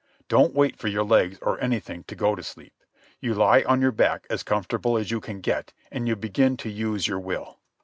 Don't wait for your legs or anything to go to sleep. You lie on your back as comfortable as you can get, and you begin to use your will.